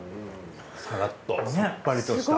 サラッとさっぱりとした。